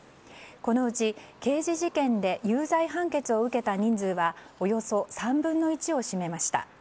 このうち刑事事件で有罪判決を受けた人数はおよそ３分の１を占めました。